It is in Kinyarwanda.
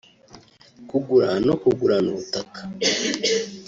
kugura no kugurana ubutaka